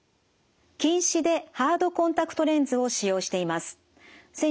近視でハードコンタクトレンズを使用しています。